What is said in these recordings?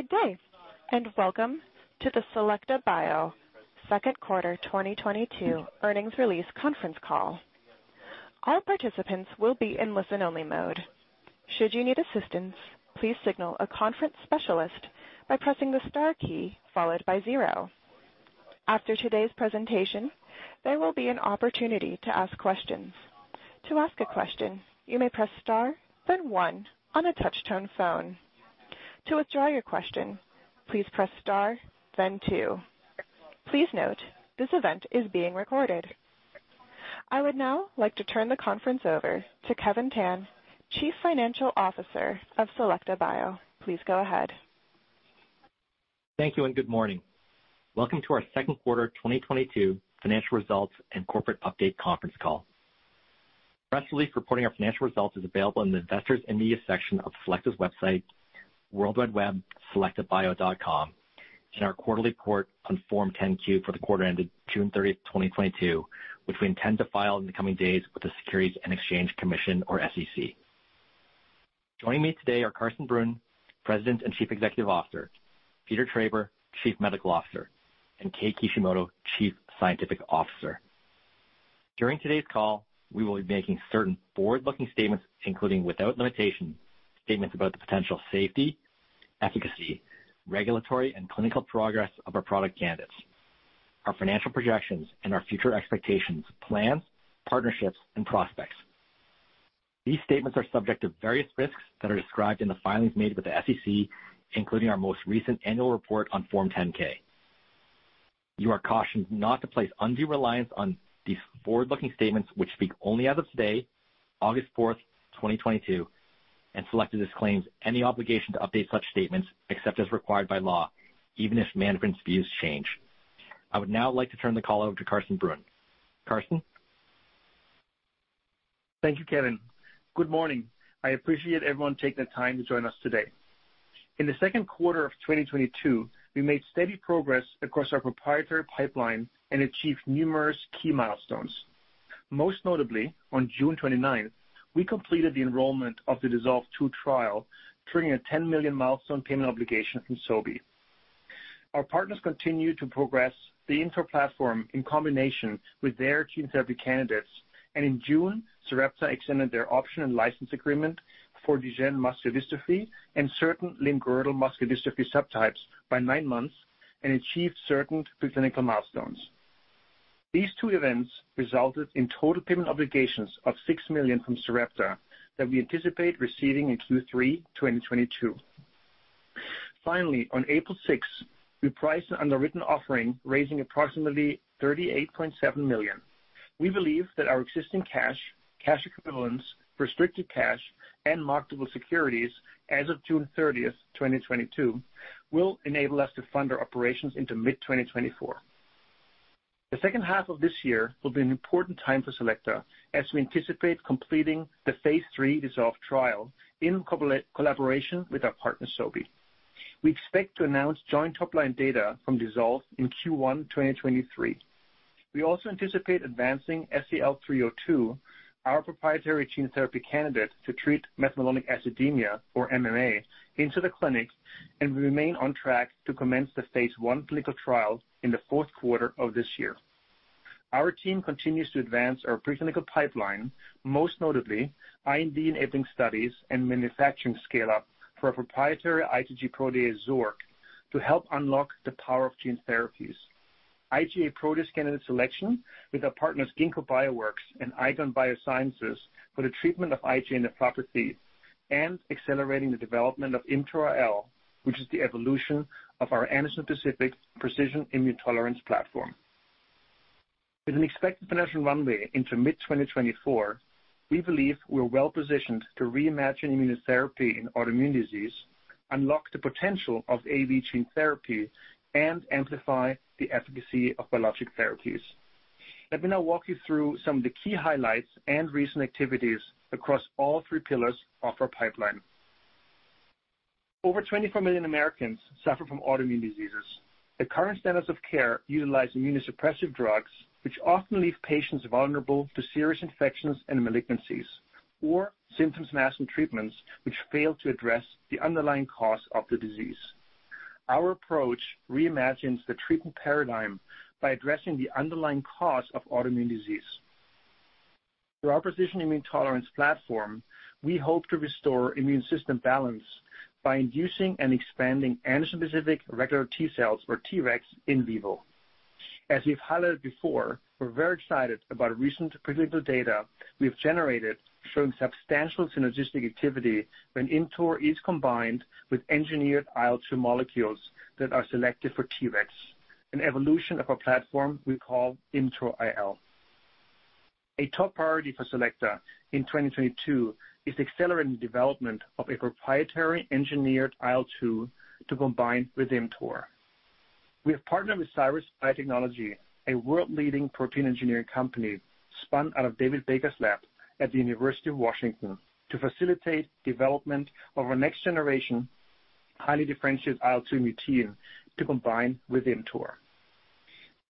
Good day, and welcome to the Selecta Bio Second Quarter 2022 earnings release conference call. All participants will be in listen-only mode. Should you need assistance, please signal a conference specialist by pressing the star key followed by zero. After today's presentation, there will be an opportunity to ask questions. To ask a question, you may press star, then one on a touch-tone phone. To withdraw your question, please press star, then two. Please note, this event is being recorded. I would now like to turn the conference over to Kevin Tan, Chief Financial Officer of Selecta Bio. Please go ahead. Thank you and good morning. Welcome to our second quarter 2022 financial results and corporate update conference call. Press release reporting our financial results is available in the Investors and Media section of Selecta's website, worldwideweb.selectabio.com, and our quarterly report on Form 10-Q for the quarter ended June 30th, 2022, which we intend to file in the coming days with the Securities and Exchange Commission, or SEC. Joining me today are Carsten Brunn, President and Chief Executive Officer, Peter Traber, Chief Medical Officer, and Takashi Kei Kishimoto, Chief Scientific Officer. During today's call, we will be making certain forward-looking statements, including, without limitation, statements about the potential safety, efficacy, regulatory and clinical progress of our product candidates, our financial projections, and our future expectations, plans, partnerships, and prospects. These statements are subject to various risks that are described in the filings made with the SEC, including our most recent annual report on Form 10-K. You are cautioned not to place undue reliance on these forward-looking statements which speak only as of today, August 4th, 2022, and Selecta disclaims any obligation to update such statements except as required by law, even if management's views change. I would now like to turn the call over to Carsten Brunn. Carsten. Thank you, Kevin. Good morning. I appreciate everyone taking the time to join us today. In the second quarter of 2022, we made steady progress across our proprietary pipeline and achieved numerous key milestones. Most notably, on June 29, we completed the enrollment of the DISSOLVE II trial, triggering a $10 million milestone payment obligation from Sobi. Our partners continued to progress the ImmTOR platform in combination with their gene therapy candidates, and in June, Sarepta extended their option and license agreement for Duchenne muscular dystrophy and certain limb-girdle muscular dystrophy subtypes by nine months and achieved certain preclinical milestones. These two events resulted in total payment obligations of $6 million from Sarepta that we anticipate receiving in Q3 2022. Finally, on April 6th, we priced an underwritten offering, raising approximately $38.7 million. We believe that our existing cash equivalents, restricted cash, and marketable securities as of June 30, 2022, will enable us to fund our operations into mid-2024. The second half of this year will be an important time for Selecta as we anticipate completing the phase III DISSOLVE trial in collaboration with our partner, Sobi. We expect to announce joint top-line data from DISSOLVE in Q1 2023. We also anticipate advancing SEL-302, our proprietary gene therapy candidate to treat methylmalonic acidemia, or MMA, into the clinic, and we remain on track to commence the phase I clinical trial in the fourth quarter of this year. Our team continues to advance our preclinical pipeline, most notably IND-enabling studies and manufacturing scale-up for our proprietary IgA protease Xork to help unlock the power of gene therapies. IgA protease candidate selection with our partners Ginkgo Bioworks and Eigen Biosciences for the treatment of IgA nephropathy and accelerating the development of ImmTOR-IL, which is the evolution of our antigen-specific precision immune tolerance platform. With an expected financial runway into mid-2024, we believe we're well-positioned to reimagine immunotherapy in autoimmune disease, unlock the potential of AAV gene therapy, and amplify the efficacy of biologic therapies. Let me now walk you through some of the key highlights and recent activities across all three pillars of our pipeline. Over 24 million Americans suffer from autoimmune diseases. The current standards of care utilize immunosuppressive drugs, which often leave patients vulnerable to serious infections and malignancies, or symptom-masking treatments which fail to address the underlying cause of the disease. Our approach reimagines the treatment paradigm by addressing the underlying cause of autoimmune disease. Through our precision immune tolerance platform, we hope to restore immune system balance by inducing and expanding antigen-specific regulatory T cells, or Tregs, in vivo. As we've highlighted before, we're very excited about recent preclinical data we've generated showing substantial synergistic activity when ImmTOR is combined with engineered IL-2 molecules that are selected for Tregs, an evolution of our platform we call ImmTOR-IL. A top priority for Selecta in 2022 is accelerating the development of a proprietary engineered IL-2 to combine with ImmTOR. We have partnered with Cyrus Biotechnology, a world-leading protein engineering company spun out of David Baker's lab at the University of Washington, to facilitate development of our next-generation, highly differentiated IL-2 mutein to combine with ImmTOR.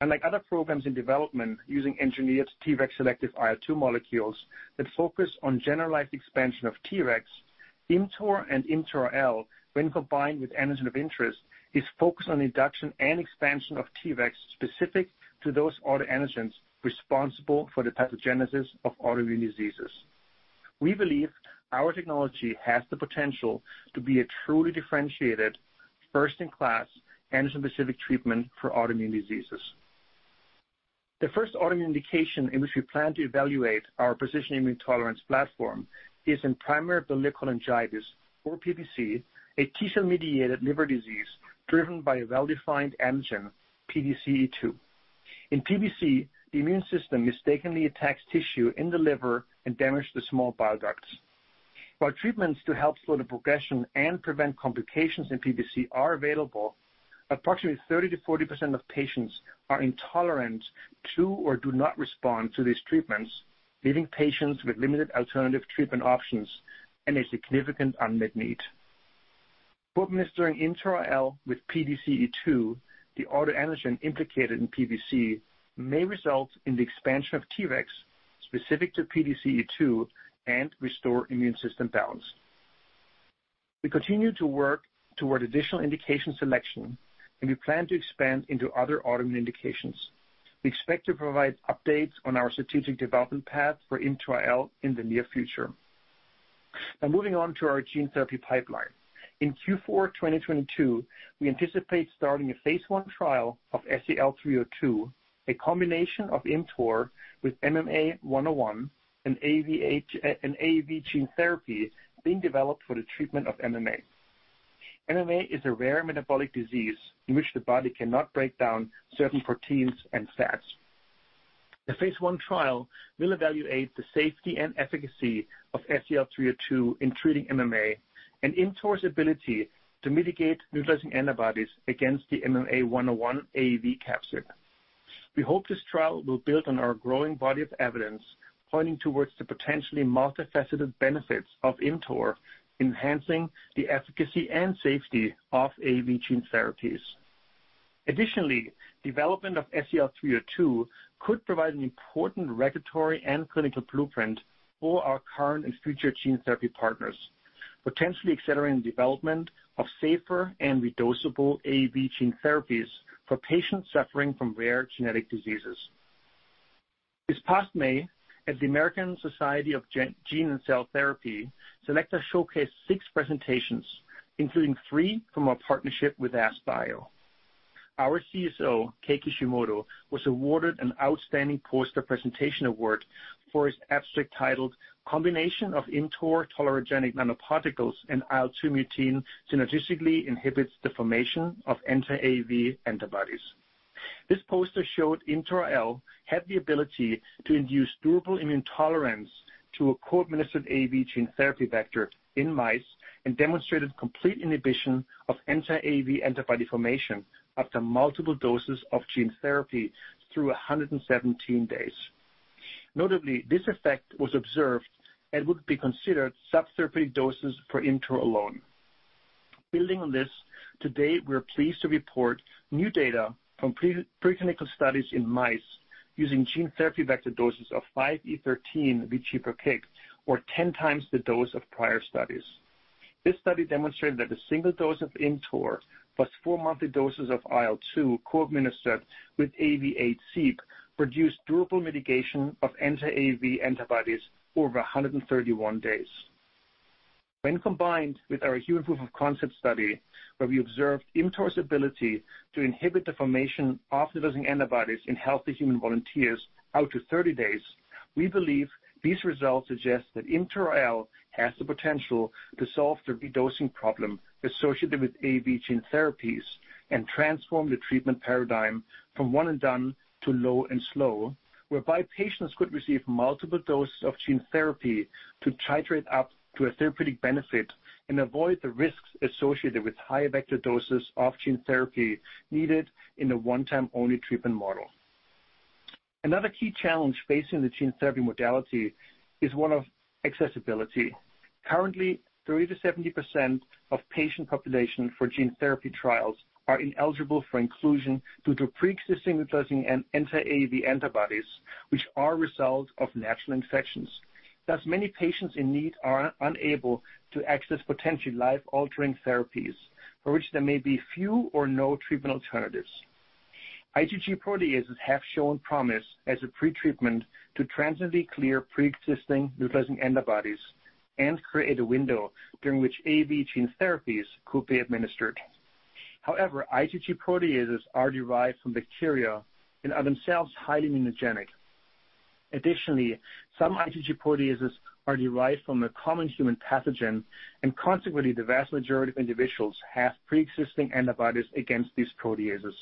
Unlike other programs in development using engineered Tregs-selective IL-2 molecules that focus on generalized expansion of Tregs, ImmTOR and ImmTOR-IL, when combined with antigen of interest, is focused on induction and expansion of Tregs specific to those autoantigens responsible for the pathogenesis of autoimmune diseases. We believe our technology has the potential to be a truly differentiated first-in-class antigen-specific treatment for autoimmune diseases. The first autoimmune indication in which we plan to evaluate our precision immune tolerance platform is in primary biliary cholangitis, or PBC, a T-cell mediated liver disease driven by a well-defined antigen, PDC-E2. In PBC, the immune system mistakenly attacks tissue in the liver and damages the small bile ducts. While treatments to help slow the progression and prevent complications in PBC are available, approximately 30%-40% of patients are intolerant to or do not respond to these treatments, leaving patients with limited alternative treatment options and a significant unmet need. Co-administering ImmTOR-IL with PDC-E2, the autoantigen implicated in PBC, may result in the expansion of Tregs specific to PDC-E2 and restore immune system balance. We continue to work toward additional indication selection, and we plan to expand into other autoimmune indications. We expect to provide updates on our strategic development path for ImmTOR-IL in the near future. Now moving on to our gene therapy pipeline. In Q4 2022, we anticipate starting a phase I trial of SEL-302, a combination of ImmTOR with MMA-101, an AAV gene therapy being developed for the treatment of MMA. MMA is a rare metabolic disease in which the body cannot break down certain proteins and fats. The phase I trial will evaluate the safety and efficacy of SEL-302 in treating MMA and ImmTOR's ability to mitigate neutralizing antibodies against the MMA-101 AAV capsid. We hope this trial will build on our growing body of evidence pointing towards the potentially multifaceted benefits of ImmTOR, enhancing the efficacy and safety of AAV gene therapies. Additionally, development of SEL-302 could provide an important regulatory and clinical blueprint for our current and future gene therapy partners, potentially accelerating the development of safer and redosable AAV gene therapies for patients suffering from rare genetic diseases. This past May, at the American Society of Gene & Cell Therapy, Selecta showcased six presentations, including three from our partnership with AskBio. Our CSO, Kei Kishimoto, was awarded an outstanding poster presentation award for his abstract titled Combination of ImmTOR Tolerogenic Nanoparticles and IL-2 Mutein Synergistically Inhibits de Novo Formation of Anti-AAV Antibodies. This poster showed ImmTOR-IL had the ability to induce durable immune tolerance to a co-administered AAV gene therapy vector in mice and demonstrated complete inhibition of anti-AAV antibody formation after multiple doses of gene therapy through 117 days. Notably, this effect was observed and would be considered sub-therapeutic doses for ImmTOR alone. Building on this, today we are pleased to report new data from preclinical studies in mice using gene therapy vector doses of 5e13 vg/kg, or 10x the dose of prior studies. This study demonstrated that the single dose of ImmTOR +4 monthly doses of IL-2 co-administered with AAV8 produce durable mitigation of anti-AAV antibodies over 131 days. When combined with our human proof of concept study, where we observed ImmTOR's ability to inhibit the formation of neutralizing antibodies in healthy human volunteers out to 30 days, we believe these results suggest that ImmTOR-IL has the potential to solve the redosing problem associated with AAV gene therapies and transform the treatment paradigm from one and done to low and slow, whereby patients could receive multiple doses of gene therapy to titrate up to a therapeutic benefit and avoid the risks associated with high vector doses of gene therapy needed in a one-time-only treatment model. Another key challenge facing the gene therapy modality is one of accessibility. Currently, 30%-70% of patient population for gene therapy trials are ineligible for inclusion due to pre-existing neutralizing anti-AAV antibodies, which are a result of natural infections. Thus, many patients in need are unable to access potentially life-altering therapies for which there may be few or no treatment alternatives. IgG proteases have shown promise as a pretreatment to transiently clear pre-existing neutralizing antibodies and create a window during which AAV gene therapies could be administered. However, IgG proteases are derived from bacteria and are themselves highly immunogenic. Additionally, some IgG proteases are derived from a common human pathogen, and consequently, the vast majority of individuals have pre-existing antibodies against these proteases.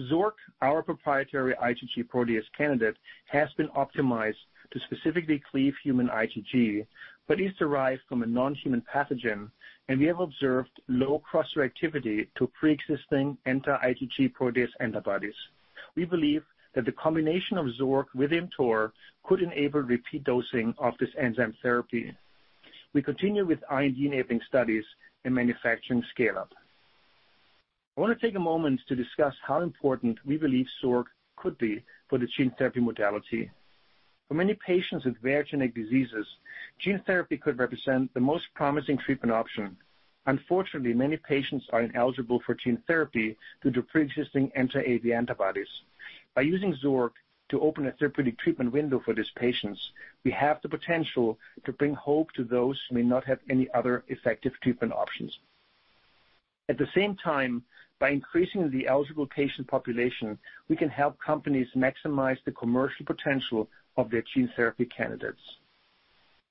Xork, our proprietary IgG protease candidate, has been optimized to specifically cleave human IgG, but is derived from a non-human pathogen, and we have observed low cross-reactivity to pre-existing anti-IgG protease antibodies. We believe that the combination of Xork with ImmTOR could enable repeat dosing of this enzyme therapy. We continue with IND-enabling studies and manufacturing scale-up. I want to take a moment to discuss how important we believe Xork could be for the gene therapy modality. For many patients with rare genetic diseases, gene therapy could represent the most promising treatment option. Unfortunately, many patients are ineligible for gene therapy due to preexisting anti-AAV antibodies. By using Xork to open a therapeutic treatment window for these patients, we have the potential to bring hope to those who may not have any other effective treatment options. At the same time, by increasing the eligible patient population, we can help companies maximize the commercial potential of their gene therapy candidates.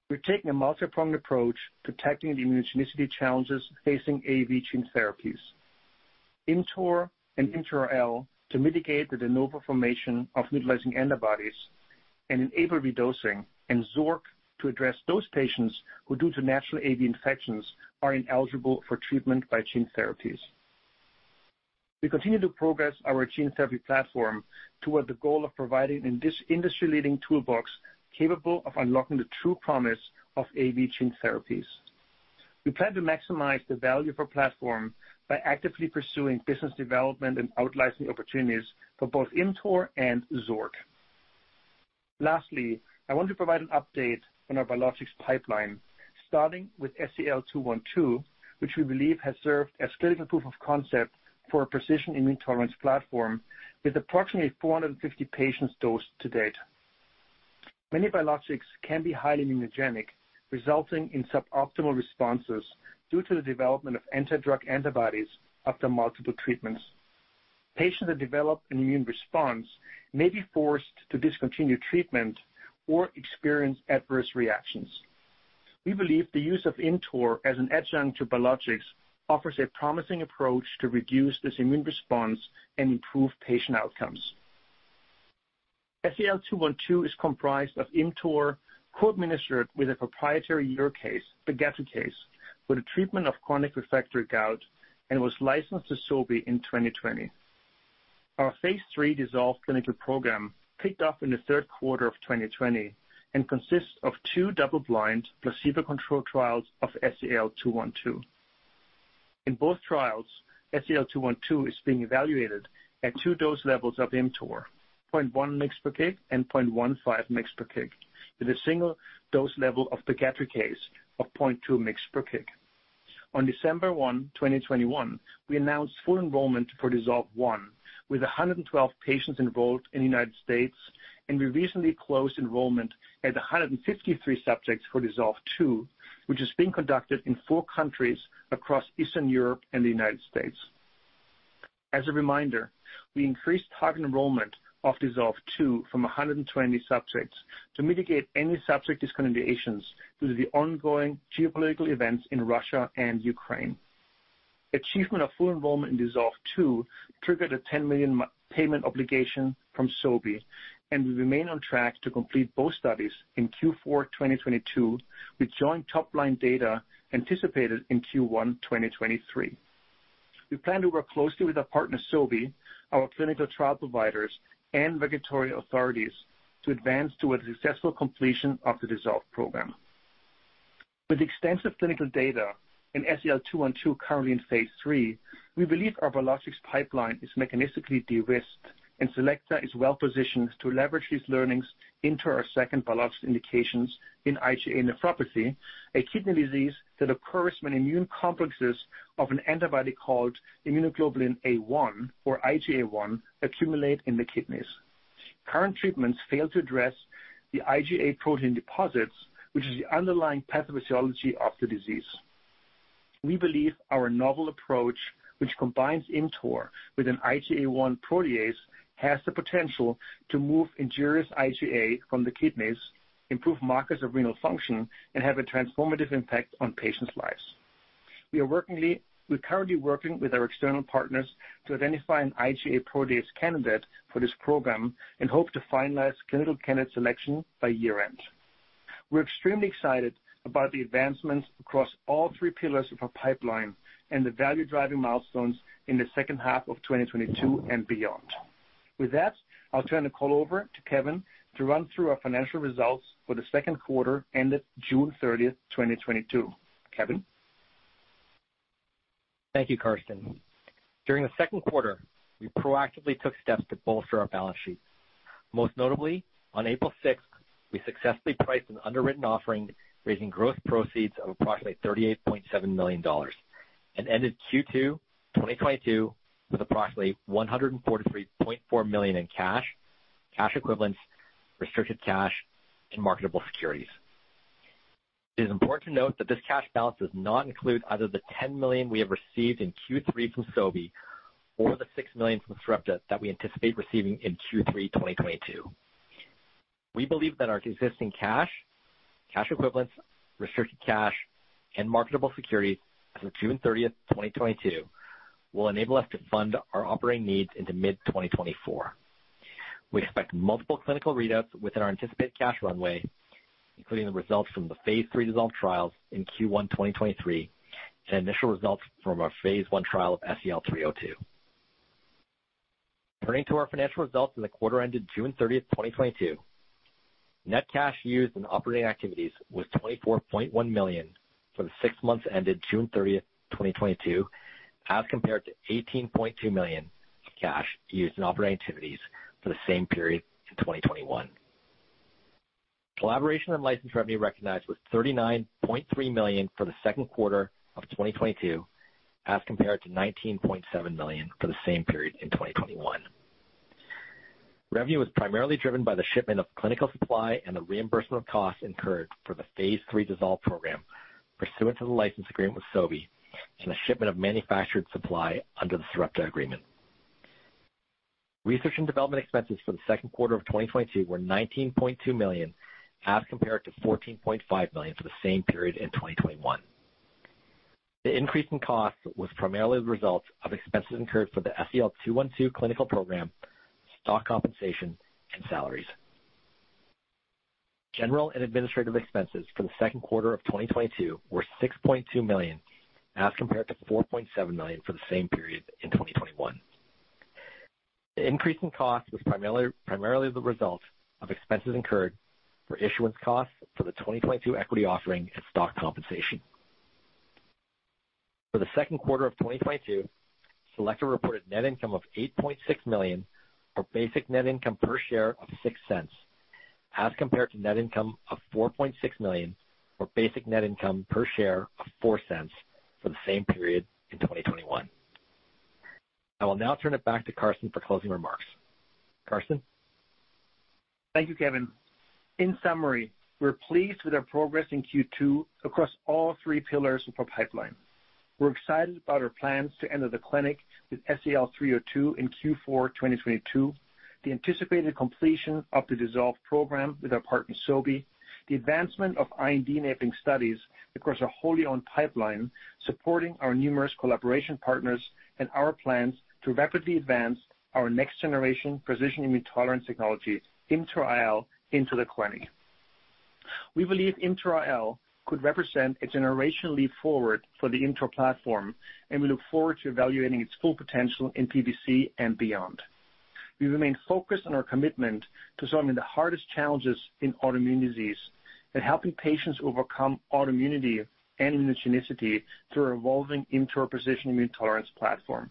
We're taking a multipronged approach to tackling the immunogenicity challenges facing AAV gene therapies. ImmTOR and ImmTOR-IL to mitigate the de novo formation of neutralizing antibodies and enable redosing, and Xork to address those patients who, due to natural AAV infections, are ineligible for treatment by gene therapies. We continue to progress our gene therapy platform toward the goal of providing an industry-leading toolbox capable of unlocking the true promise of AAV gene therapies. We plan to maximize the value of our platform by actively pursuing business development and out licensing opportunities for both ImmTOR and Xork. Lastly, I want to provide an update on our biologics pipeline, starting with SEL-212, which we believe has served as clinical proof of concept for a precision immune tolerance platform with approximately 450 patients dosed to date. Many biologics can be highly immunogenic, resulting in suboptimal responses due to the development of anti-drug antibodies after multiple treatments. Patients that develop an immune response may be forced to discontinue treatment or experience adverse reactions. We believe the use of ImmTOR as an adjuvant to biologics offers a promising approach to reduce this immune response and improve patient outcomes. SEL-212 is comprised of ImmTOR co-administered with a proprietary uricase, pegadricase, for the treatment of chronic refractory gout, and was licensed to Sobi in 2020. Our phase III DISSOLVE clinical program kicked off in the third quarter of 2020 and consists of two double-blind placebo-controlled trials of SEL-212. In both trials, SEL-212 is being evaluated at two dose levels of ImmTOR, 0.1 mg/kg and 0.15 mg/kg, with a single dose level of pegadricase of 0.2 mg/kg. On December 1, 2021, we announced full enrollment for DISSOLVE I, with 112 patients enrolled in the United States, and we recently closed enrollment at 153 subjects for DISSOLVE II, which is being conducted in four countries across Eastern Europe and the United States. As a reminder, we increased target enrollment of DISSOLVE II from 120 subjects to mitigate any subject discontinuations due to the ongoing geopolitical events in Russia and Ukraine. Achievement of full enrollment in DISSOLVE II triggered a $10 million payment obligation from Sobi, and we remain on track to complete both studies in Q4 2022, with joint top-line data anticipated in Q1 2023. We plan to work closely with our partner, Sobi, our clinical trial providers, and regulatory authorities to advance toward the successful completion of the DISSOLVE program. With extensive clinical data in SEL-212 currently in phase III, we believe our biologics pipeline is mechanistically de-risked, and Selecta is well positioned to leverage these learnings into our second biologics indications in IgA nephropathy, a kidney disease that occurs when immune complexes of an antibody called immunoglobulin A1 or IgA1 accumulate in the kidneys. Current treatments fail to address the IgA protein deposits, which is the underlying pathophysiology of the disease. We believe our novel approach, which combines ImmTOR with an IgA1 protease, has the potential to move injurious IgA from the kidneys, improve markers of renal function, and have a transformative impact on patients' lives. We're currently working with our external partners to identify an IgA protease candidate for this program and hope to finalize clinical candidate selection by year-end. We're extremely excited about the advancements across all three pillars of our pipeline and the value-driving milestones in the second half of 2022 and beyond. With that, I'll turn the call over to Kevin to run through our financial results for the second quarter ended June 30th, 2022. Kevin? Thank you, Carsten. During the second quarter, we proactively took steps to bolster our balance sheet. Most notably, on April 6th, we successfully priced an underwritten offering, raising gross proceeds of approximately $38.7 million and ended Q2 2022 with approximately $143.4 million in cash equivalents, restricted cash, and marketable securities. It is important to note that this cash balance does not include either the $10 million we have received in Q3 from Sobi or the $6 million from Sarepta that we anticipate receiving in Q3 2022. We believe that our existing cash equivalents, restricted cash, and marketable securities as of June 30th, 2022, will enable us to fund our operating needs into mid-2024. We expect multiple clinical readouts within our anticipated cash runway, including the results from the phase III DISSOLVE trials in Q1 2023 and initial results from our phase I trial of SEL-302. Turning to our financial results in the quarter ended June 30th, 2022. Net cash used in operating activities was $24.1 million for the six months ended June 30th, 2022, as compared to $18.2 million cash used in operating activities for the same period in 2021. Collaboration and license revenue recognized was $39.3 million for the second quarter of 2022, as compared to $19.7 million for the same period in 2021. Revenue was primarily driven by the shipment of clinical supply and the reimbursement of costs incurred for the phase III DISSOLVE program pursuant to the license agreement with Sobi and the shipment of manufactured supply under the Sarepta agreement. Research and development expenses for the second quarter of 2022 were $19.2 million, as compared to $14.5 million for the same period in 2021. The increase in costs was primarily the result of expenses incurred for the SEL-212 clinical program, stock compensation and salaries. General and administrative expenses for the second quarter of 2022 were $6.2 million, as compared to $4.7 million for the same period in 2021. The increase in cost was primarily the result of expenses incurred for issuance costs for the 2022 equity offering and stock compensation. For the second quarter of 2022, Selecta reported net income of $8.6 million or basic net income per share of $0.06, as compared to net income of $4.6 million or basic net income per share of $0.04 for the same period in 2021. I will now turn it back to Carsten for closing remarks. Carsten? Thank you, Kevin. In summary, we're pleased with our progress in Q2 across all three pillars of our pipeline. We're excited about our plans to enter the clinic with SEL-302 in Q4 2022, the anticipated completion of the DISSOLVE program with our partner, Sobi, the advancement of IND-enabling studies across our wholly-owned pipeline, supporting our numerous collaboration partners, and our plans to rapidly advance our next-generation precision immune tolerance technology, ImmTOR-IL, into the clinic. We believe ImmTOR-IL could represent a generational leap forward for the ImmTOR platform, and we look forward to evaluating its full potential in PBC and beyond. We remain focused on our commitment to solving the hardest challenges in autoimmune disease and helping patients overcome autoimmunity and immunogenicity through our evolving ImmTOR precision immune tolerance platform.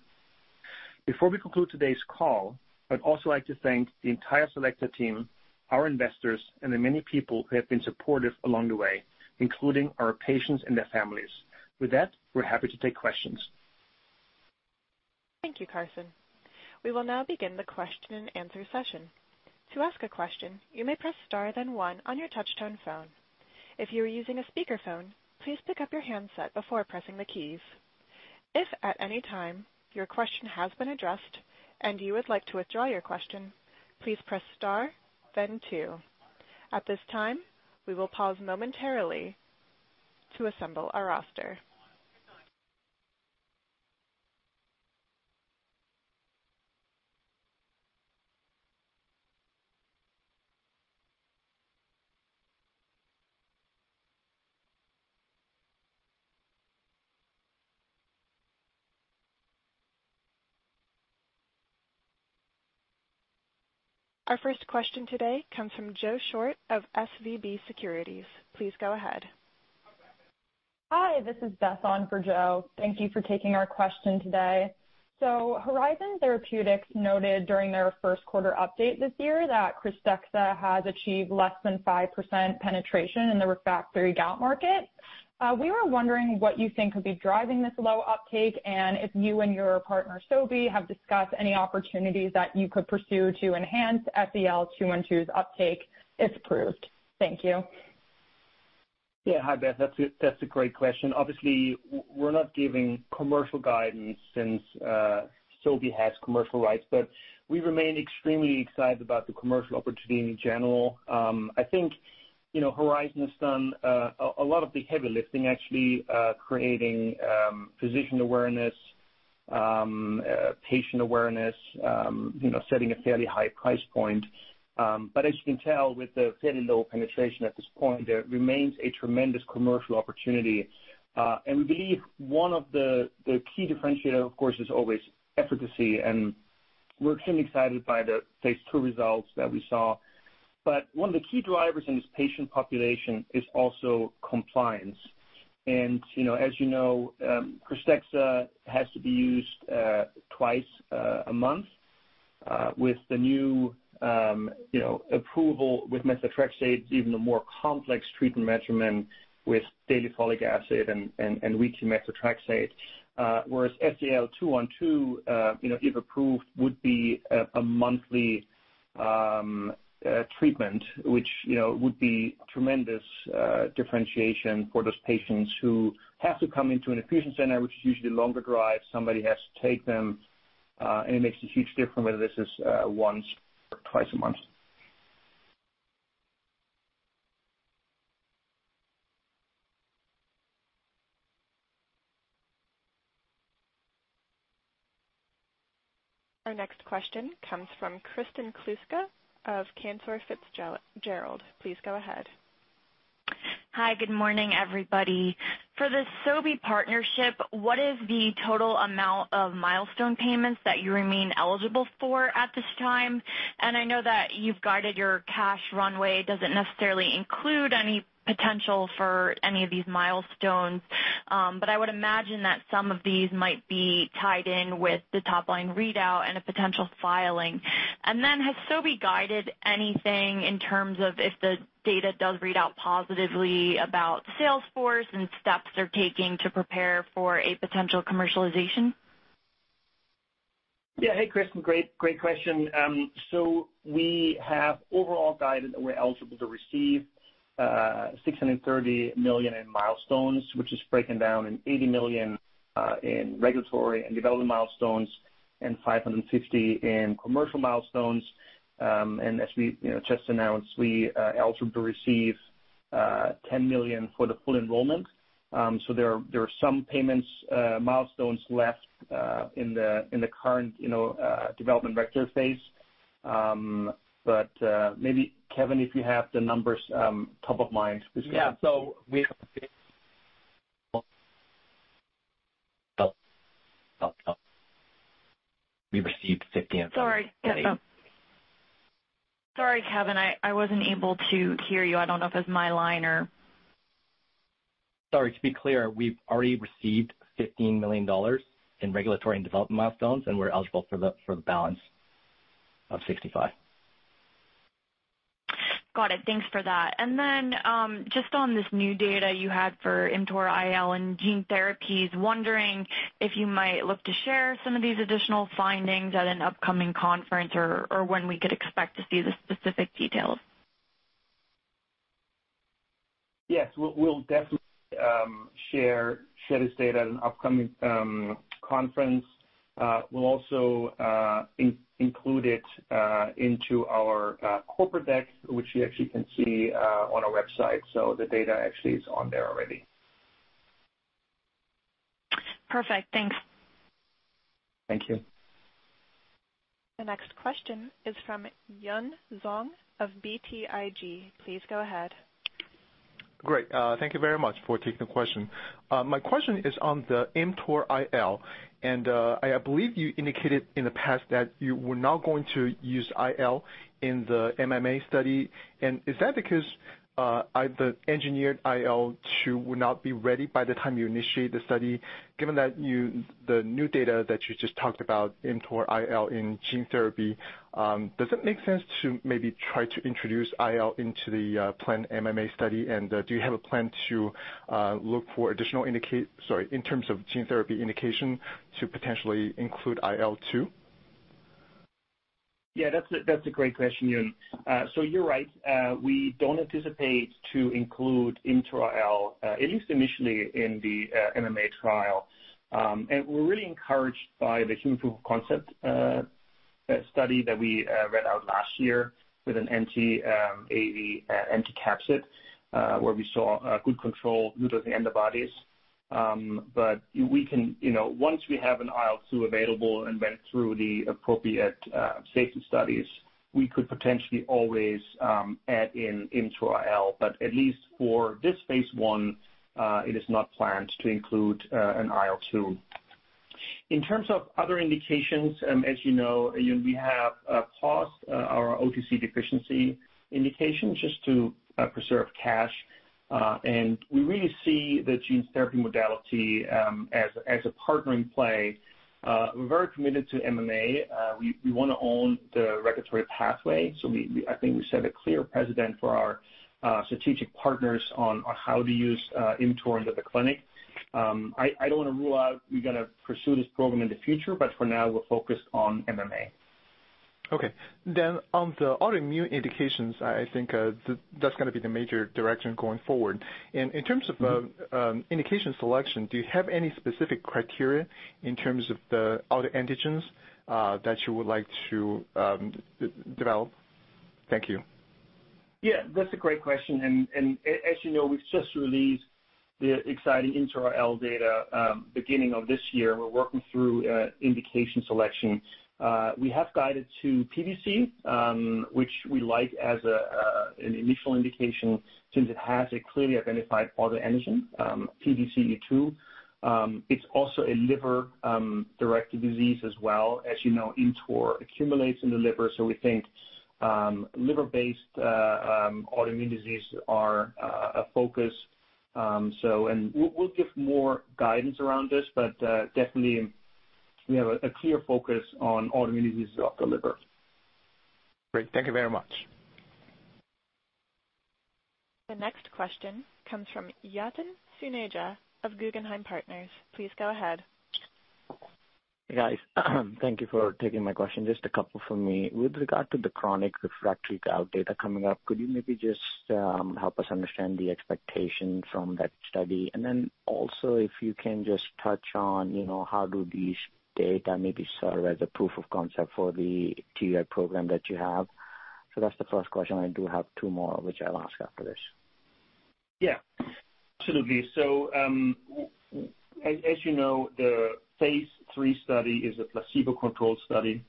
Before we conclude today's call, I'd also like to thank the entire Selecta team, our investors, and the many people who have been supportive along the way, including our patients and their families. With that, we're happy to take questions. Thank you, Carsten. We will now begin the question-and-answer session. To ask a question, you may press star then one on your touch-tone phone. If you are using a speakerphone, please pick up your handset before pressing the keys. If at any time your question has been addressed and you would like to withdraw your question, please press star then two. At this time, we will pause momentarily to assemble our roster. Our first question today comes from Joe Schwartz of SVB Securities. Please go ahead. Hi, this is Beth on for Joe. Thank you for taking our question today. Horizon Therapeutics noted during their first quarter update this year that KRYSTEXXA has achieved less than 5% penetration in the refractory gout market. We were wondering what you think could be driving this low uptake and if you and your partner, Sobi, have discussed any opportunities that you could pursue to enhance SEL-212's uptake if approved. Thank you. Yeah. Hi, Beth. That's a great question. Obviously, we're not giving commercial guidance since Sobi has commercial rights, but we remain extremely excited about the commercial opportunity in general. I think, you know, Horizon has done a lot of the heavy lifting actually, creating physician awareness, patient awareness, you know, setting a fairly high price point. But as you can tell, with the fairly low penetration at this point, there remains a tremendous commercial opportunity. We believe one of the key differentiator, of course, is always efficacy, and we're extremely excited by the phase two results that we saw. One of the key drivers in this patient population is also compliance. You know, KRYSTEXXA has to be used twice a month with the new, you know, approval with methotrexate, even a more complex treatment regimen with daily folic acid and weekly methotrexate. Whereas SEL-212, you know, if approved, would be a monthly treatment, which, you know, would be tremendous differentiation for those patients who have to come into an infusion center, which is usually a longer drive. Somebody has to take them and it makes a huge difference whether this is once or twice a month. Our next question comes from Kristen Kluska of Cantor Fitzgerald. Please go ahead. Hi, good morning, everybody. For the Sobi partnership, what is the total amount of milestone payments that you remain eligible for at this time? I know that you've guided your cash runway doesn't necessarily include any potential for any of these milestones. I would imagine that some of these might be tied in with the top line readout and a potential filing. Has Sobi guided anything in terms of if the data does read out positively about sales force and steps they're taking to prepare for a potential commercialization? Hey, Kristin. Great question. So we have overall guided that we're eligible to receive $630 million in milestones, which is breaking down in $80 million in regulatory and development milestones and $550 million in commercial milestones. And as we, you know, just announced, we are eligible to receive $10 million for the full enrollment. So there are some payments milestones left in the current, you know, development vector phase. But maybe, Kevin, if you have the numbers top of mind. Yeah. We received 15- Sorry, Kevin. I wasn't able to hear you. I don't know if it's my line or. Sorry. To be clear, we've already received $15 million in regulatory and development milestones, and we're eligible for the balance of $65 million. Got it. Thanks for that. Just on this new data you had for ImmTOR-IL and gene therapies, wondering if you might look to share some of these additional findings at an upcoming conference or when we could expect to see the specific details? Yes, we'll definitely share this data at an upcoming conference. We'll also include it into our corporate deck, which you actually can see on our website. The data actually is on there already. Perfect. Thanks. Thank you. The next question is from Yun Zhong of BTIG. Please go ahead. Great. Thank you very much for taking the question. My question is on the ImmTOR-IL, and I believe you indicated in the past that you were not going to use IL in the MMA study. Is that because either engineered IL-2 will not be ready by the time you initiate the study, given the new data that you just talked about ImmTOR-IL in gene therapy, does it make sense to maybe try to introduce IL into the planned MMA study? Do you have a plan to look for additional indications in terms of gene therapy to potentially include IL-2? That's a great question, Yun. So you're right. We don't anticipate to include ImmTOR-IL, at least initially in the MMA trial. We're really encouraged by the human proof of concept study that we read out last year with an anti-AAV anti-capsid where we saw good control neutralizing antibodies. But we can, you know, once we have an IL-2 available and went through the appropriate safety studies, we could potentially always add in ImmTOR-IL. But at least for this phase I, it is not planned to include an IL-2. In terms of other indications, as you know, Yun, we have paused our OTC deficiency indication just to preserve cash. We really see the gene therapy modality as a partner in play. We're very committed to MMA. We wanna own the regulatory pathway. We set a clear precedent for our strategic partners on how to use ImmTOR into the clinic. I don't wanna rule out we're gonna pursue this program in the future, but for now, we're focused on MMA. Okay. On the autoimmune indications, I think that's gonna be the major direction going forward. In terms of indication selection, do you have any specific criteria in terms of the autoantigens that you would like to develop? Thank you. Yeah, that's a great question. As you know, we've just released the exciting ImmTOR-IL data beginning of this year. We're working through indication selection. We have guided to PBC, which we like as an initial indication since it has a clearly identified autoantigen, PDC-E2. It's also a liver directed disease as well. As you know, ImmTOR accumulates in the liver, so we think liver-based autoimmune disease are a focus. We'll give more guidance around this, but definitely we have a clear focus on autoimmune diseases of the liver. Great. Thank you very much. The next question comes from Yatin Suneja of Guggenheim Partners. Please go ahead. Hey, guys. Thank you for taking my question. Just a couple from me. With regard to the chronic refractory gout data coming up, could you maybe just help us understand the expectation from that study? And then also if you can just touch on, you know, how do these data maybe serve as a proof of concept for the TI program that you have? So that's the first question. I do have two more, which I'll ask after this. Yeah. Absolutely. As you know, the phase III study is a placebo-controlled study.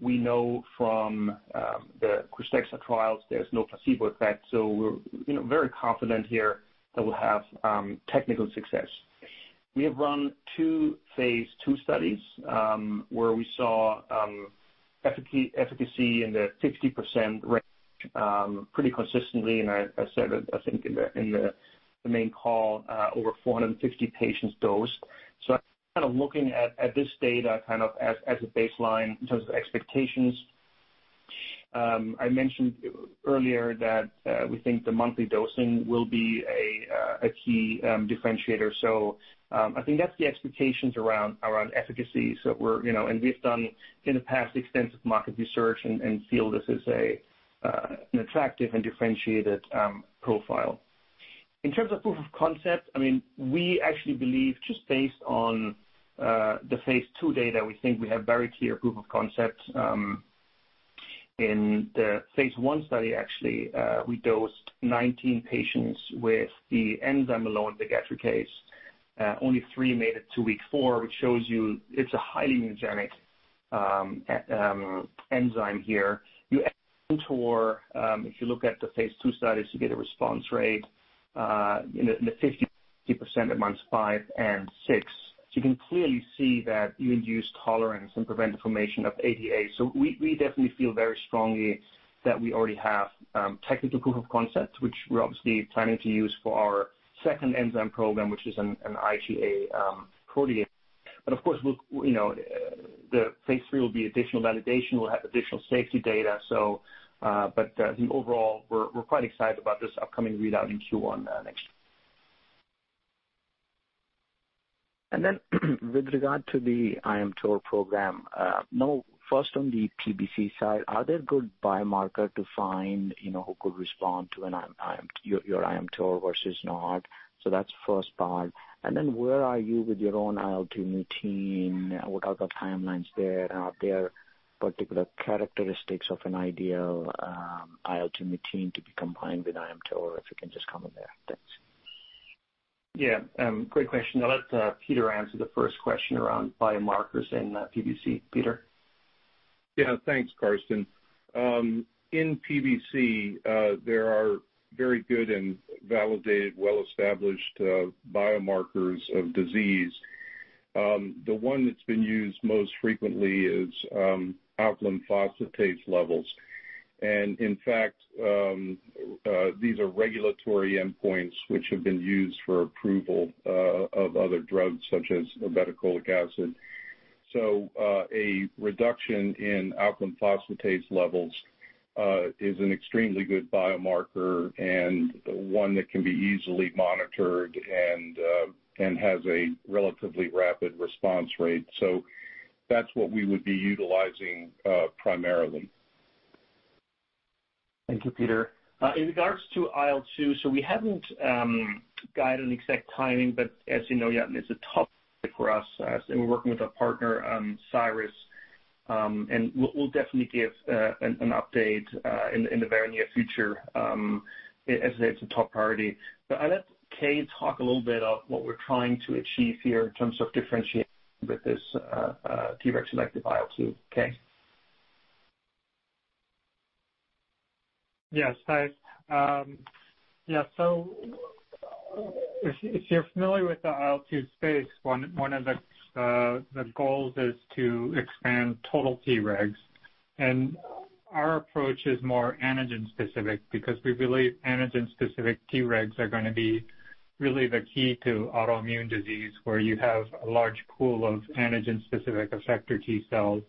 We know from the KRYSTEXXA trials there's no placebo effect, so we're very confident here that we'll have technical success. We have run two phase II studies, where we saw efficacy in the 60% range pretty consistently. I said, I think in the main call, over 450 patients dosed. Kind of looking at this data kind of as a baseline in terms of expectations. I mentioned earlier that we think the monthly dosing will be a key differentiator. I think that's the expectations around efficacy. We're, you know, we've done in the past extensive market research and feel this is a an attractive and differentiated profile. In terms of proof of concept, I mean, we actually believe just based on the phase II data, we think we have very clear proof of concept. In the phase I study, actually, we dosed 19 patients with the enzyme alone, the pegadricase. Only three made it to week four, which shows you it's a highly immunogenic enzyme here. If you look at the phase II studies, you get a response rate in the 50% at months five and six. You can clearly see that you induce tolerance and prevent inflammation of ADA. We definitely feel very strongly that we already have technical proof of concept, which we're obviously planning to use for our second enzyme program, which is an IgA protease. Of course, you know, the phase III will be additional validation. We'll have additional safety data. I think overall, we're quite excited about this upcoming readout in Q1 next year. With regard to the ImmTOR program, first on the PBC side, are there good biomarkers to find, you know, who could respond to an ImmTOR versus not? So that's first part. Where are you with your own IL-2 regimen? What are the timelines there? Are there particular characteristics of an ideal IL-2 regimen to be combined with ImmTOR, if you can just comment there? Thanks. Yeah. Great question. I'll let Peter answer the first question around biomarkers in PBC. Peter? Yeah. Thanks, Carsten. In PBC, there are very good and validated, well-established, biomarkers of disease. The one that's been used most frequently is alkaline phosphatase levels. In fact, these are regulatory endpoints which have been used for approval of other drugs, such as ursodeoxycholic acid. A reduction in alkaline phosphatase levels is an extremely good biomarker and one that can be easily monitored and has a relatively rapid response rate. That's what we would be utilizing primarily. Thank you, Peter. In regards to IL-2, we haven't guided an exact timing, but as you know, it's a top priority for us as we're working with our partner, Cyrus. We'll definitely give an update in the very near future as it's a top priority. I'll let Kay talk a little bit of what we're trying to achieve here in terms of differentiating with this Treg selective IL-2. Kei? Yes. Thanks. If you're familiar with the IL-2 space, one of the goals is to expand total Tregs. Our approach is more antigen-specific because we believe antigen-specific Tregs are gonna be really the key to autoimmune disease where you have a large pool of antigen-specific effector T-cells.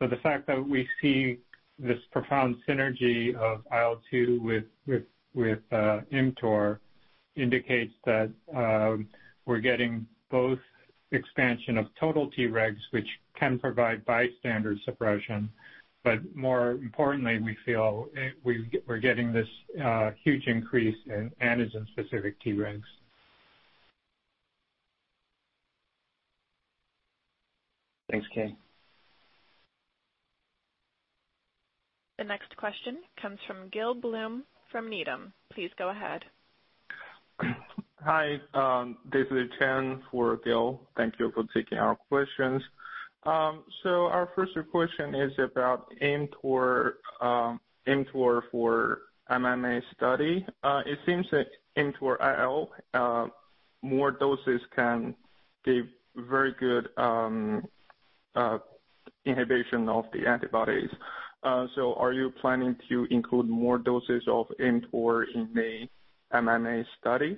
The fact that we see this profound synergy of IL-2 with ImmTOR indicates that we're getting both expansion of total Tregs, which can provide bystander suppression. More importantly, we feel we're getting this huge increase in antigen-specific Tregs. Thanks, Kei. The next question comes from Gil Blum from Needham. Please go ahead. Hi. This is Chen for Gil Blum. Thank you for taking our questions. Our first question is about ImmTOR for MMA study. It seems that more doses of ImmTOR-IL can give very good inhibition of the antibodies. Are you planning to include more doses of ImmTOR in the MMA study?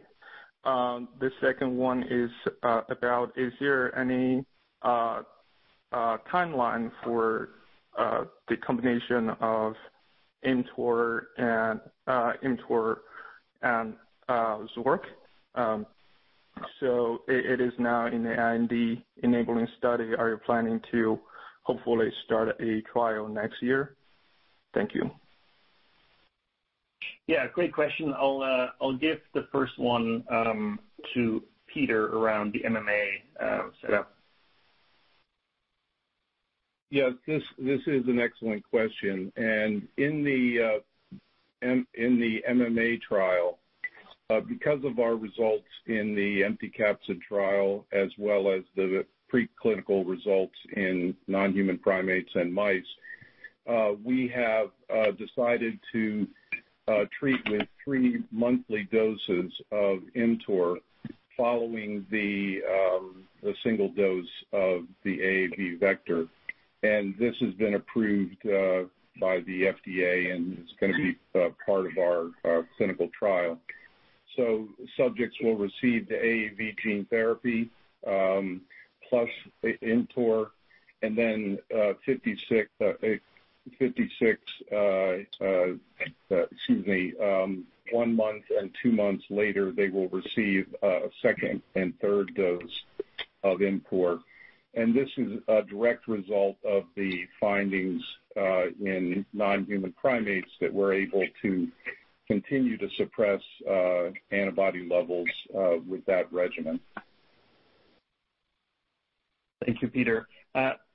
The second one is there any timeline for the combination of ImmTOR and Xork? It is now in the IND-enabling study. Are you planning to hopefully start a trial next year? Thank you. Yeah, great question. I'll give the first one to Peter around the MMA setup. Yes, this is an excellent question. In the MMA trial, because of our results in the empty capsid trial as well as the preclinical results in non-human primates and mice, we have decided to treat with three monthly doses of ImmTOR following the single dose of the AAV vector. This has been approved by the FDA, and it's gonna be part of our clinical trial. Subjects will receive the AAV gene therapy plus the ImmTOR, and then one month and two months later, they will receive a second and third dose of ImmTOR. This is a direct result of the findings in non-human primates that we're able to continue to suppress antibody levels with that regimen. Thank you, Peter.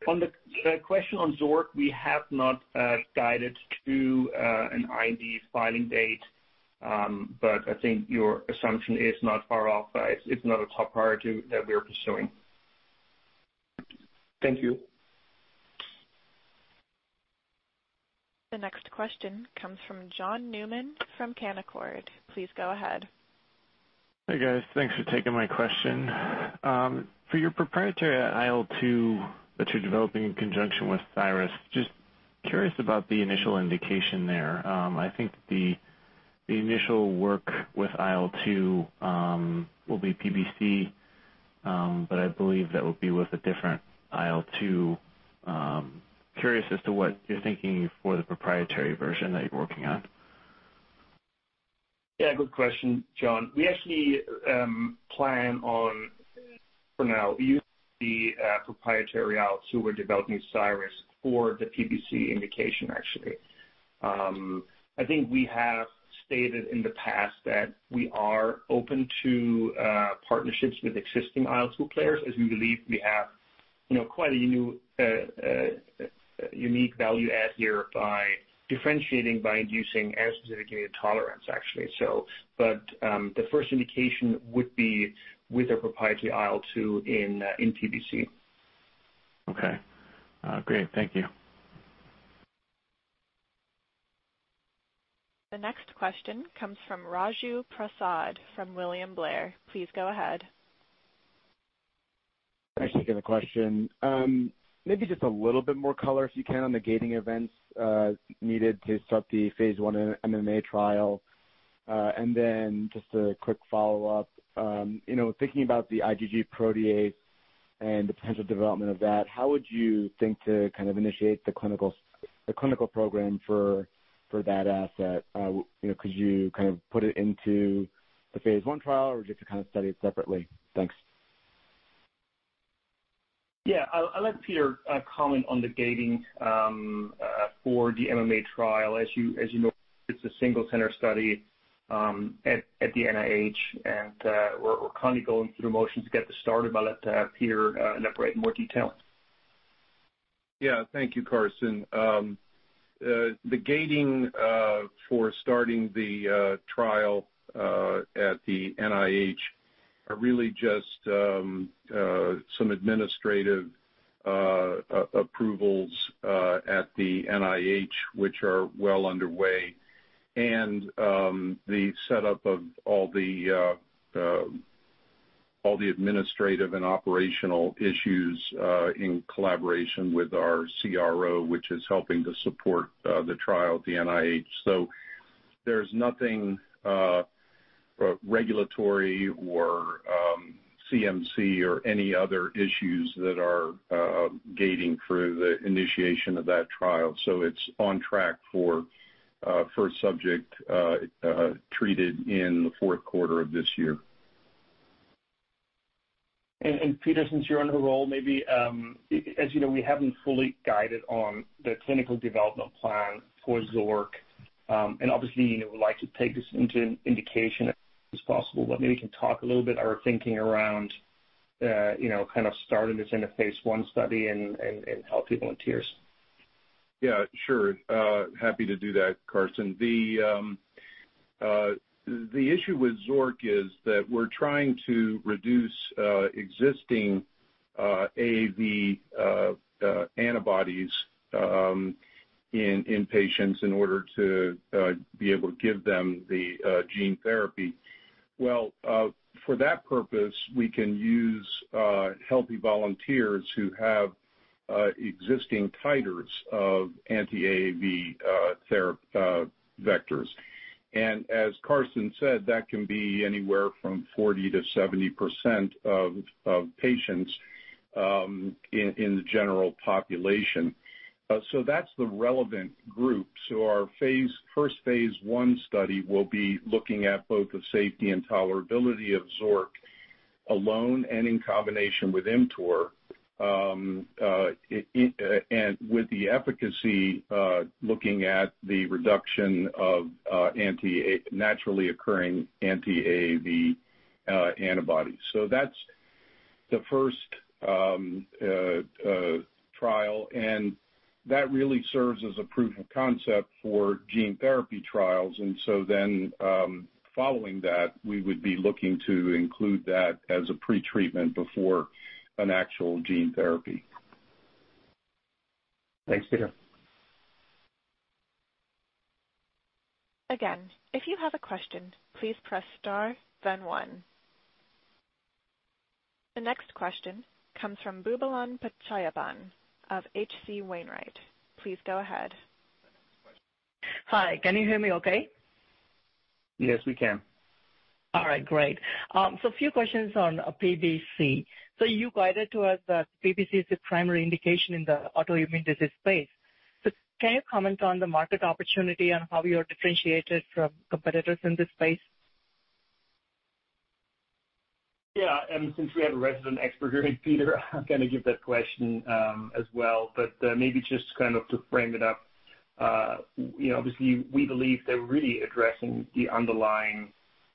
On the question on Xork, we have not guided to an IND filing date. I think your assumption is not far off. It's not a top priority that we are pursuing. Thank you. The next question comes from John Newman from Canaccord Genuity. Please go ahead. Hi, guys. Thanks for taking my question. For your proprietary IL-2 that you're developing in conjunction with Cyrus, just curious about the initial indication there. I think the initial work with IL-2 will be PBC, but I believe that will be with a different IL-2. Curious as to what you're thinking for the proprietary version that you're working on. Yeah, good question, John. We actually plan on for now use the proprietary IL-2 we're developing with Cyrus for the PBC indication, actually. I think we have stated in the past that we are open to partnerships with existing IL-2 players, as we believe we have, you know, quite a new unique value add here by differentiating, by inducing a specific immune tolerance, actually. The first indication would be with a proprietary IL-2 in PBC. Okay. Great. Thank you. The next question comes from Raju Prasad from William Blair. Please go ahead. Thanks for taking the question. Maybe just a little bit more color, if you can, on the gating events needed to start the phase I MMA trial. Just a quick follow-up, you know, thinking about the IgG protease and the potential development of that, how would you think to kind of initiate the clinical program for that asset? You know, could you kind of put it into the phase I trial or would you have to kind of study it separately? Thanks. Yeah. I'll let Peter comment on the gating for the MMA trial. As you know, it's a single center study at the NIH. We're kind of going through the motions to get this started, but I'll let Peter elaborate in more detail. Yeah. Thank you, Carsten. The gating for starting the trial at the NIH are really just some administrative approvals at the NIH, which are well underway. The setup of all the administrative and operational issues in collaboration with our CRO, which is helping to support the trial at the NIH. There's nothing regulatory or CMC or any other issues that are gating through the initiation of that trial, so it's on track for first subject treated in the fourth quarter of this year. Peter, since you're on a roll, maybe, as you know, we haven't fully guided on the clinical development plan for Xork. Obviously, you know, we'd like to take this into an indication as soon as possible, but maybe you can talk a little bit about our thinking around, you know, kind of starting this in a phase I study and healthy volunteers. Yeah, sure. Happy to do that, Carsten. The issue with Xork is that we're trying to reduce existing AAV antibodies in patients in order to be able to give them the gene therapy. Well, for that purpose, we can use healthy volunteers who have existing titers of anti-AAV vectors. As Carsten said, that can be anywhere from 40%-70% of patients in the general population. That's the relevant group. Our first phase I study will be looking at both the safety and tolerability of Xork alone and in combination with ImmTOR and with the efficacy looking at the reduction of naturally occurring anti-AAV antibodies. The first trial, and that really serves as a proof of concept for gene therapy trials. Following that, we would be looking to include that as a pretreatment before an actual gene therapy. Thanks, Peter. Again, if you have a question, please press star, then one. The next question comes from Boobalan Pachaiyappan of H.C. Wainwright. Please go ahead. Hi. Can you hear me okay? Yes, we can. All right. Great. A few questions on PBC. You guided to us that PBC is the primary indication in the autoimmune disease space. Can you comment on the market opportunity and how you are differentiated from competitors in this space? Yeah, since we have a resident expert here in Peter, I'm gonna give that question as well, but maybe just kind of to frame it up, you know, obviously we believe that really addressing the underlying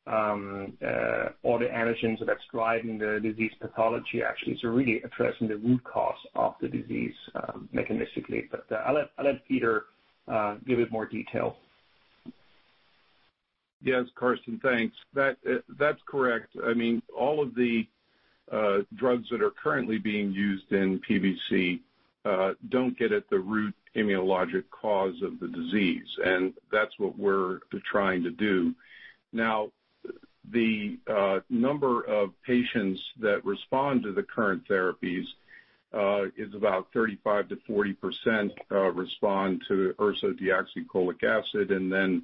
autoantigens that are driving the disease pathology actually. Really addressing the root cause of the disease mechanistically. I'll let Peter give it more detail. Yes. Carsten, thanks. That's correct. I mean, all of the drugs that are currently being used in PBC don't get at the root immunologic cause of the disease, and that's what we're trying to do. Now, the number of patients that respond to the current therapies is about 35%-40% respond to ursodeoxycholic acid, and then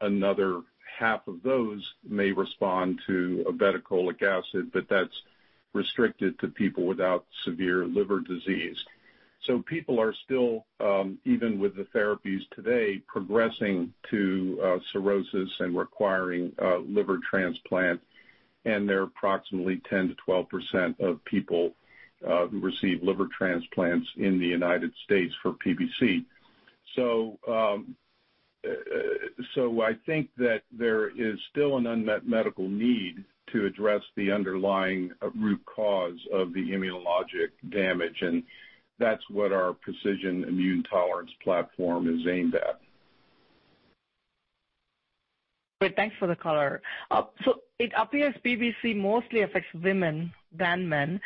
another half of those may respond to obeticholic acid, but that's restricted to people without severe liver disease. People are still even with the therapies today progressing to cirrhosis and requiring a liver transplant, and they're approximately 10%-12% of people who receive liver transplants in the United States for PBC. I think that there is still an unmet medical need to address the underlying root cause of the immunologic damage, and that's what our precision immune tolerance platform is aimed at. Great. Thanks for the color. So it appears PBC mostly affects women than men.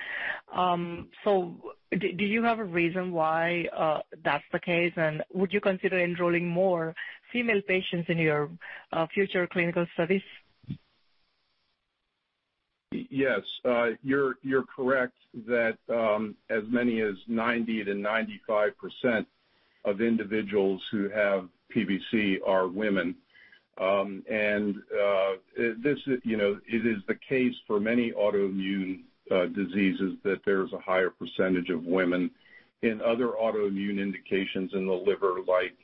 So do you have a reason why that's the case? Would you consider enrolling more female patients in your future clinical studies? Yes. You're correct that as many as 90%-95% of individuals who have PBC are women. This, you know, it is the case for many autoimmune diseases that there's a higher percentage of women. In other autoimmune indications in the liver like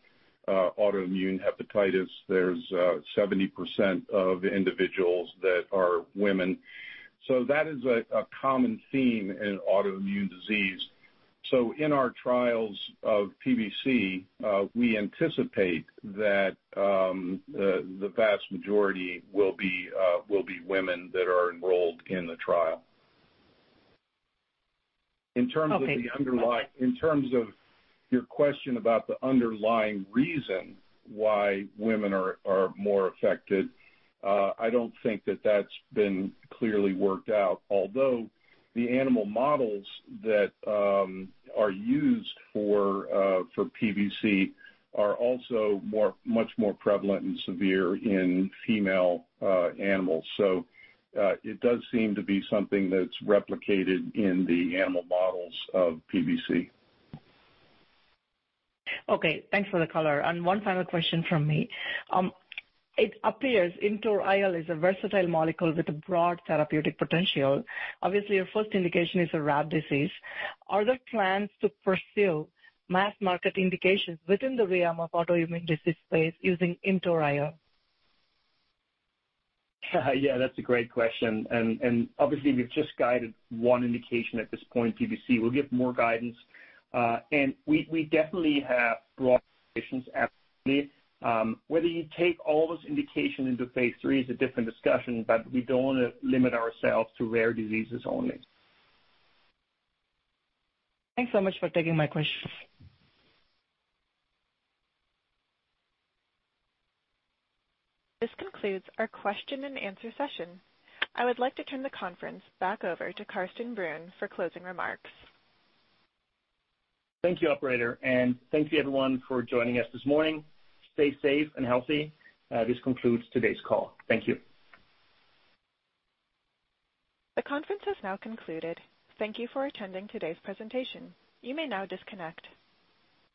autoimmune hepatitis, there's 70% of individuals that are women. That is a common theme in autoimmune disease. In our trials of PBC, we anticipate that the vast majority will be women that are enrolled in the trial. Okay. In terms of your question about the underlying reason why women are more affected, I don't think that that's been clearly worked out. Although the animal models that are used for PBC are also much more prevalent and severe in female animals. It does seem to be something that's replicated in the animal models of PBC. Okay. Thanks for the color. One final question from me. It appears ImmTOR-IL is a versatile molecule with a broad therapeutic potential. Obviously, your first indication is a rare disease. Are there plans to pursue mass market indications within the realm of autoimmune disease space using ImmTOR-IL? Yeah, that's a great question. Obviously we've just guided one indication at this point, PBC. We'll give more guidance. We definitely have broad patients absolutely. Whether you take all those indication into phase III is a different discussion, but we don't wanna limit ourselves to rare diseases only. Thanks so much for taking my questions. This concludes our question and answer session. I would like to turn the conference back over to Carsten Brunn for closing remarks. Thank you, operator, and thank you everyone for joining us this morning. Stay safe and healthy. This concludes today's call. Thank you. The conference has now concluded. Thank you for attending today's presentation. You may now disconnect.